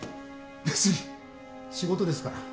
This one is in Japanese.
別に仕事ですから。